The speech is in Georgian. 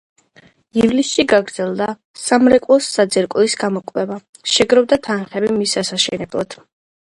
ივლისში გაგრძელდა სამრეკლოს საძირკვლის გამოკვლევა, შეგროვდა თანხები მის ასაშენებლად.